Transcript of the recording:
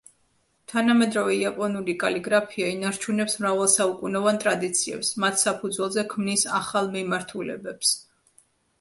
თანამედროვე იაპონური კალიგრაფია ინარჩუნებს მრავალსაუკუნოვან ტრადიციებს, მათ საფუძველზე ქმნის ახალ მიმართულებებს.